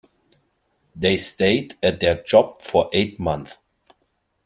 They stayed at their job for eight months.